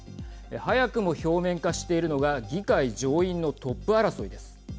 早くも表面化しているのが議会上院のトップ争いです。